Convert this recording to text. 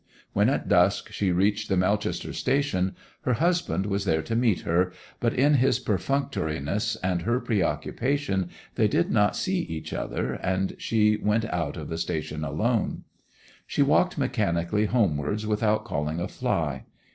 When at dusk she reached the Melchester station her husband was there to meet her, but in his perfunctoriness and her preoccupation they did not see each other, and she went out of the station alone. She walked mechanically homewards without calling a fly.